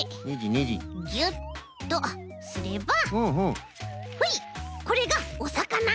ギュッとすればほいこれがおさかな！